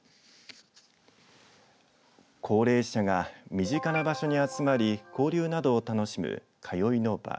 高齢者が身近な場所に集まり交流などを楽しむ通いの場。